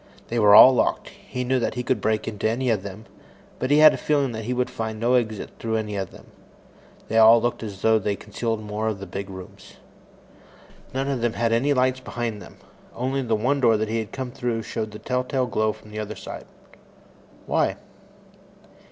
They were all locked. He knew that he could break into any of them, but he had a feeling that he would find no exit through any of them. They all looked as though they concealed more of the big rooms. None of them had any lights behind them. Only the one door that he had come through showed the telltale glow from the other side. Why?